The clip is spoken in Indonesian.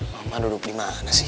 mama duduk dimana sih